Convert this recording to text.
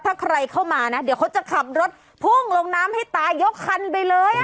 ถ้าใครเข้ามานะเดี๋ยวเขาจะขับรถพุ่งลงน้ำให้ตายกคันไปเลย